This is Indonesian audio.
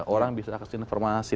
orang bisa akses informasi